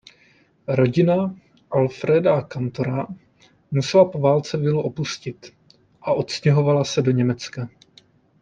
Rodina Alfreda Kantora musela po válce vilu opustit a odstěhovala se do Německa.